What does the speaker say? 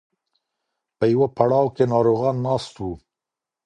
په یوه پړاو کې ناروغان ناست وو.